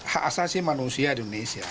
hak asasi manusia di indonesia